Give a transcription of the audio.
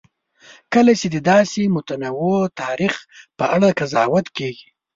کله چې د داسې متنوع تاریخ په اړه قضاوت کېږي.